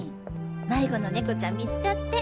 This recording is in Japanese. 迷子の猫ちゃん見つかって。